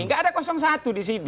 nggak ada satu di sini